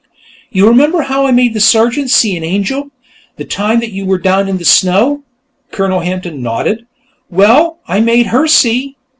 "You remember how I made the Sergeant see an angel, the time you were down in the snow?" Colonel Hampton nodded. "Well, I made her see